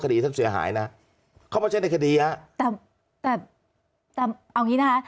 คดีท่านเสียหายนะเขาไม่ใช่ในคดีฮะแต่แต่เอาอย่างงี้นะคะ